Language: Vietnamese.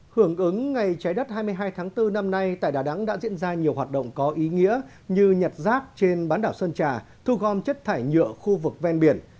hưởng ứng ngày trái đất hai mươi hai tháng bốn năm nay tại đà nẵng đã diễn ra nhiều hoạt động có ý nghĩa như nhặt rác trên bán đảo sơn trà thu gom chất thải nhựa khu vực ven biển